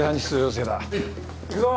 行くぞ。